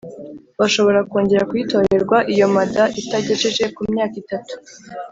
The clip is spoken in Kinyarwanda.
Bashobora kongera kuyitorerwa iyo mada itagejeje kumyaka itatu